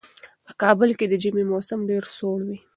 په کابل کې د ژمي موسم ډېر سوړ وي.